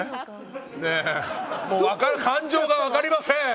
もう感情が分かりません。